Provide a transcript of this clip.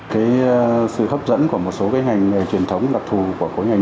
cái sự hấp dẫn của một số cái ngành truyền thống đặc thù của ngành